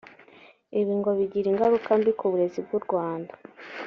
Ibi ngo bigira ingaruka mbi ku burezi bw’u Rwanda